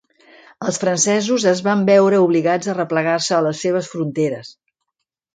Els francesos es van veure obligats a replegar-se a les seves fronteres.